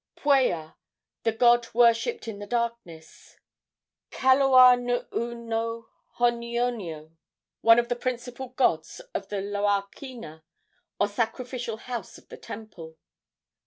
Puea, the god worshipped in the darkness. Kaluanuunohonionio, one of the principal gods of the luakina, or sacrificial house of the temple.